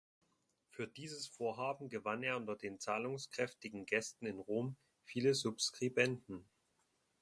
Für dieses Vorhaben gewann er unter den zahlungskräftigen Gästen in Rom viele Subskribenten.